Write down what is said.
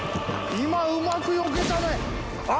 今うまくよけたね